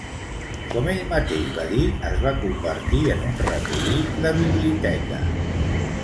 Com ell mateix va dir, es va convertir en un ratolí de biblioteca.